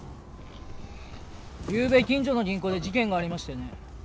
ゆうべ近所の銀行で事件がありましてね。